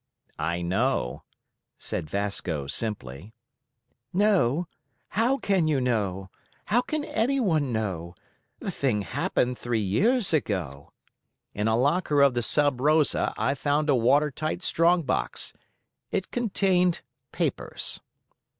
"I know," said Vasco simply. "Know? How can you know? How can anyone know? The thing happened three years ago." "In a locker of the Sub Rosa I found a water tight strong box. It contained papers."